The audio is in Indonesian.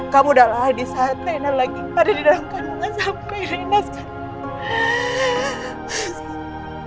kamu udah lalai disaat rena lagi ada di dalam kandungan sampai rena sekarang